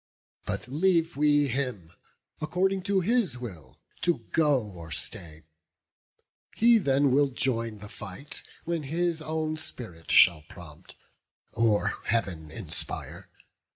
But leave we him, according to his will, To go or stay: he then will join the fight, When his own spirit shall prompt, or Heav'n inspire.